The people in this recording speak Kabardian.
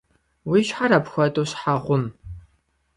Уи щхьэр апхуэдэу щхьэ гъум?